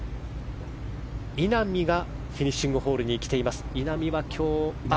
稲森がフィニッシングホールに来ています。